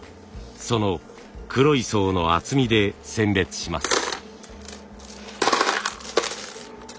その黒い層の厚みで選別します。